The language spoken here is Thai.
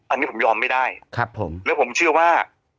อันนี้ผมยอมไม่ได้ครับผมแล้วผมเชื่อว่า